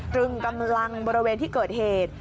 ตรึงกำลังบริเวณที่เกิดเหตุ